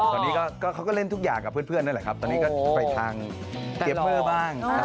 ตอนนี้เขาก็เล่นทุกอย่างกับเพื่อนนั่นแหละครับตอนนี้ก็ไปทางเจียเปอร์บ้าง